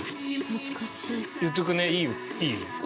懐かしい。